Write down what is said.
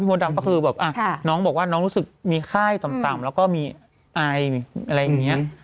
มดดำก็คือแบบน้องบอกว่าน้องรู้สึกมีไข้ต่ำแล้วก็มีไออะไรอย่างนี้